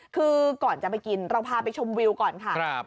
คือก่อนจะไปกินเราพาไปชมวิวก่อนค่ะ